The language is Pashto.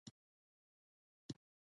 آیا د سرچشمې د مسو کان مشهور نه دی؟